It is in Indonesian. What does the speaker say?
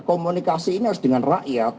komunikasi ini harus dengan rakyat